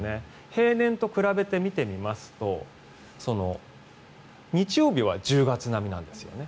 平年と比べて見てみますと日曜日は１０月並みなんですよね